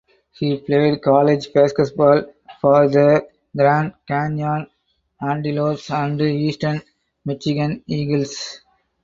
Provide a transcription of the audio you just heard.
He played college basketball for the Grand Canyon Antelopes and Eastern Michigan Eagles.